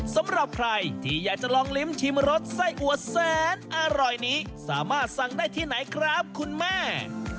สำหรับใครที่อยากจะลองลิ้มชิมรสไส้อัวแสนอร่อยนี้สามารถสั่งได้ที่ไหนครับคุณแม่